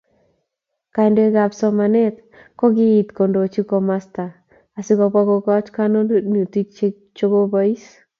Kandoikab somanet kokiit kondochi komosata asikobwa kokoch konunotoik chekoibelis